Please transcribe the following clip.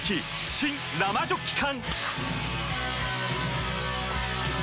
新・生ジョッキ缶！